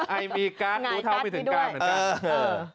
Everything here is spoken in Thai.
ไอมีการ์ดรู้เท่าไม่ถึงการเหมือนกัน